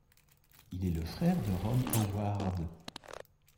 Il est le frère de Ron Howard.